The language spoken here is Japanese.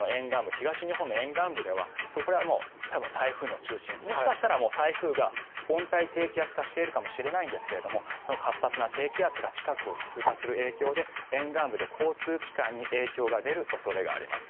東日本の沿岸部ではこれはもう台風の中心もしかしたら台風が温帯低気圧化しているかもしれないんですがその活発な低気圧が近くを通過する影響で沿岸部で交通機関に影響が出る恐れがあります。